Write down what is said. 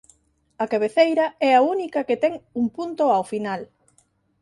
A cabeceira é a única que ten un punto ao final.